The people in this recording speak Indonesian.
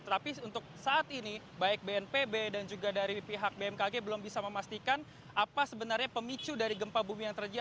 tetapi untuk saat ini baik bnpb dan juga dari pihak bmkg belum bisa memastikan apa sebenarnya pemicu dari gempa bumi yang terjadi